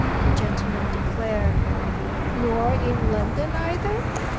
the gentleman declared. "Nor in London either?"